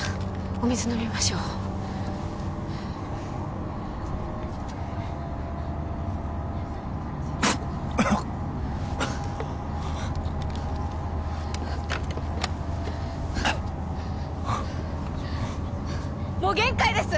お水飲みましょうもう限界です！